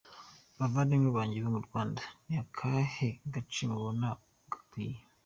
bavandimwe banjye bo mu Rwanda, ni akahe gace mubona kankwiye?”.